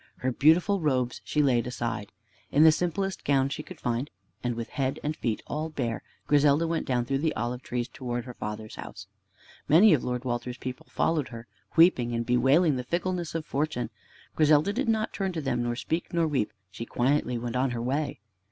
Her beautiful robes she laid aside. In the simplest gown she could find, and with head and feet all bare, Griselda went down through the olive trees towards her father's house. Many of Lord Walter's people followed her, weeping and bewailing the fickleness of fortune. Griselda did not turn to them, nor speak, nor weep. She quietly went on her way.